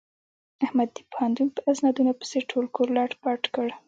احمد د پوهنتون په اسنادونو پسې ټول کور لت پت کړ.